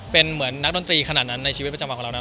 เป็นเหมือนนักดนตรีขนาดนั้นในชีวิตประจำวันของเรานะ